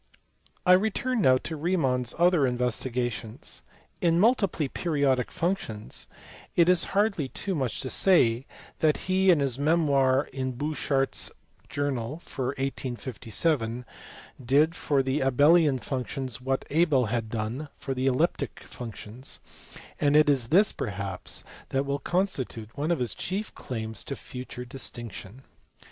I return now to Riemann s other investigations. In mul tiply periodic functions, it is hardly too much to say that he, in his memoir in Borchardt s Journal for 1857, did for the Abel i an functions what Abel had done for the elliptic func tions, and it is this perhaps that will constitute one of his chief claims to future distinction.